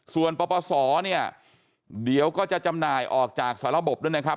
ส่วนปปศเนี่ยเดี๋ยวก็จะจำหน่ายออกจากสระบบด้วยนะครับ